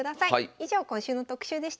以上今週の特集でした。